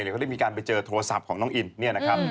เขาได้มีการไปเจอโทรศัพท์ของน้องอิน